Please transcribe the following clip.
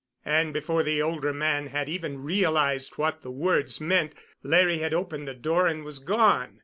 And, before the older man had even realized what the words meant, Larry had opened the door and was gone.